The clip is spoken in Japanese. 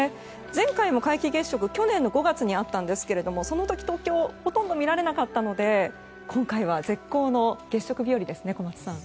前回の皆既月食、去年の５月にあったんですけれどもその時、東京はほとんど見られなかったので今回は絶好の月食日和ですね小松さん。